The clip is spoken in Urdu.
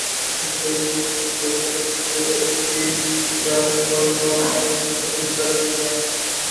اس سے چیف جسٹس پیچھے ہٹنے کی بجائے اس پر پورا اترنے کی کوشش کر رہے ہیں۔